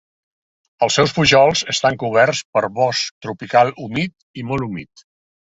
Els seus pujols estan coberts per bosc tropical humit i molt humit.